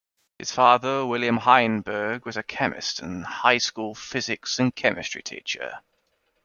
His father, William Heinberg, was a chemist and high-school physics and chemistry teacher.